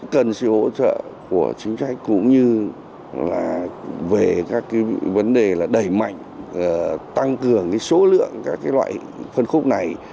cần sự hỗ trợ của chính sách cũng như là về các cái vấn đề là đẩy mạnh tăng cường cái số lượng các cái loại phân khúc này